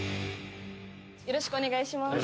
よろしくお願いします